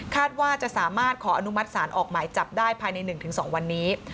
คาดว่าจะสามารถขออนุมัติศาลออกหมายจับได้ภายในหนึ่งถึงสองวันนี้